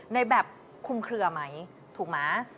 ในแบบคุมเคลือไหมถูกไหม